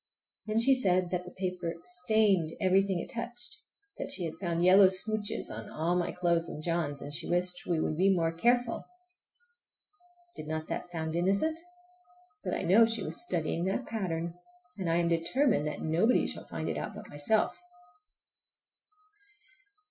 Then she said that the paper stained everything it touched, that she had found yellow smooches on all my clothes and John's, and she wished we would be more careful! Did not that sound innocent? But I know she was studying that pattern, and I am determined that nobody shall find it out but myself!